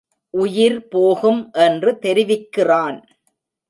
உயிர் போகும் என்று தெரிவிக்கிறான்.